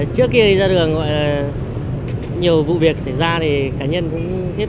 trước khi ra đường gọi là nhiều vụ việc xảy ra thì cá nhân cũng thiếp